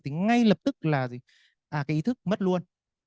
thì ngay lập tức là cái ý thức mất luôn